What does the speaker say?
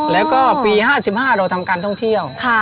แล้วก็ปี๕๕เราทำการท่องเที่ยว